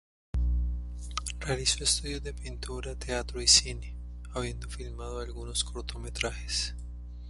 Realizó estudios de pintura, teatro y cine, habiendo filmado algunos cortometrajes.